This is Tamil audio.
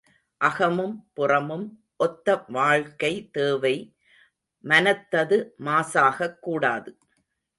அகமும் புறமும் ஒத்த வாழ்க்கை தேவை மனத்தது மாசாகக் கூடாது.